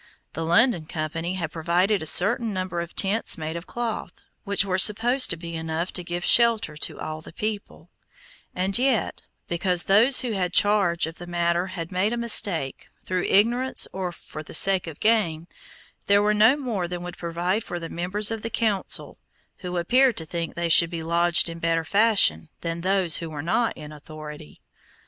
The London Company had provided a certain number of tents made of cloth, which were supposed to be enough to give shelter to all the people, and yet, because those who had charge of the matter had made a mistake, through ignorance or for the sake of gain, there were no more than would provide for the members of the Council, who appeared to think they should be lodged in better fashion than those who were not in authority.